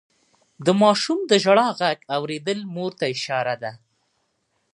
د ماشوم د ژړا غږ اورېدل مور ته اشاره ده.